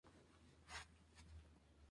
Nunca en su obra el sentimiento es desbordante.